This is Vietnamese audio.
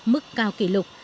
mức cao kỷ lục